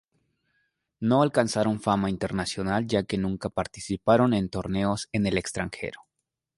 No alcanzaron fama internacional ya que nunca participaron en torneos en el extranjero.